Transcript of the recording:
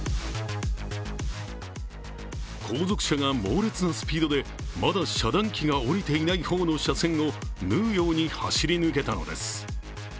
後続車が猛烈なスピードでまだ遮断機が下りていない方の車線で縫うように走り抜けたのです。